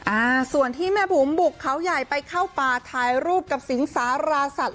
อ่าส่วนที่แม่บุ๋มบุกเขาใหญ่ไปเข้าป่าถ่ายรูปกับสิงสาราสัตว